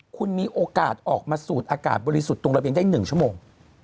คุณมีโอกาสออกมาสูดอากาศบริสุทธิ์ตรงระเบียงได้๑ชั่วโมง